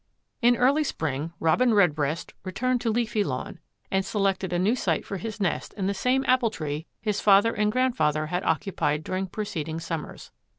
In early spring Robin Redbreast returned to Leafy Lawn and selected a new site for his nest in the same apple tree his father and grandfather had occupied during preceding summers.